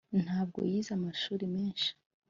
ntabwo yize amashuri menshi